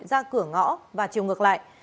ra cửa ngõ hà nội